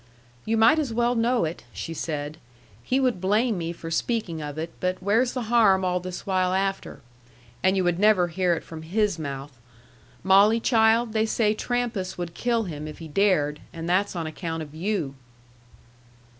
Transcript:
"You might as well know it," she said. "He would blame me for speaking of it, but where's the harm all this while after? And you would never hear it from his mouth. Molly, child, they say Trampas would kill him if he dared, and that's on account of you."